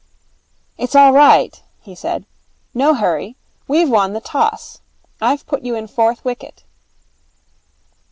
'It's all right,' he said. 'No hurry. We've won the toss. I've put you in fourth wicket.'